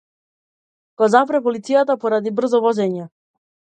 Го запре полиција поради брзо возење.